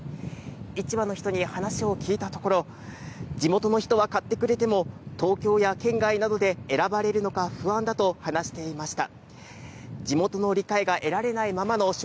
市場の人に話を聞いたところ地元の人は買ってくれても東京や県外などで選ばれるのか不安だと話していました